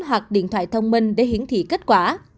hoặc điện thoại thông minh để hiển thị kết quả